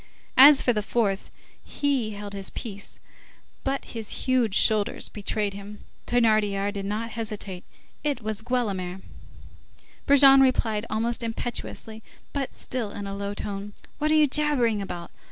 As for the fourth, he held his peace, but his huge shoulders betrayed him. Thénardier did not hesitate. It was Guelemer. Brujon replied almost impetuously but still in a low tone:— "What are you jabbering about?